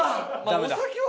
ダメだ。